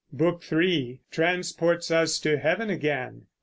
Book III transports us to heaven again.